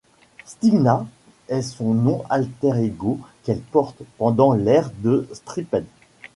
Xtina est son nom alter ego qu'elle porte, pendant l'aire de Stripped.